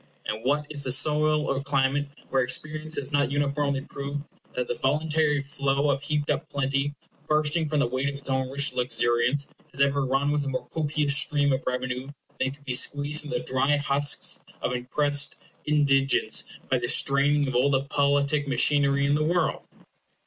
And what is the soil or climate where experience has not uniformly proved that the voluntary flow of heaped up plenty, bursting from the weight of its own rich luxuriance, has ever run with a more copious stream of revenue than could be squeezed from the dry husks of oppressed indigence by the straining of all the politic machinery in the world?